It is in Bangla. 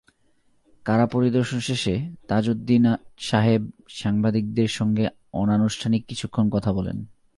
কারা পরিদর্শন শেষে তাজউদ্দীন সাহেব সাংবাদিকদের সঙ্গে অনানুষ্ঠানিক কিছুক্ষণ কথা বলেন।